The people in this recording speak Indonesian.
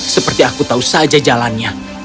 seperti aku tahu saja jalannya